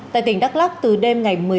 tại tỉnh đắk lắc từ đêm ngày một mươi năm